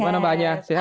gimana mbaknya sehat